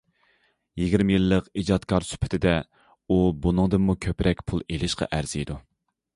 يىگىرمە يىللىق ئىجادكار سۈپىتىدە ئۇ بۇنىڭدىنمۇ كۆپرەك پۇل ئېلىشقا ئەرزىيدۇ.